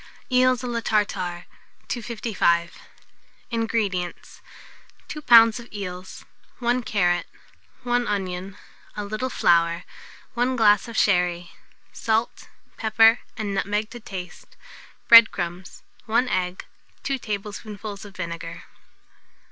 EELS A LA TARTARE. 255. INGREDIENTS. 2 lbs. of eels, 1 carrot, 1 onion, a little flour, 1 glass of sherry; salt, pepper, and nutmeg to taste; bread crumbs, 1 egg, 2 tablespoonfuls of vinegar.